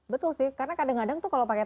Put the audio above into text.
betul sih karena kadang kadang tuh kalau pakai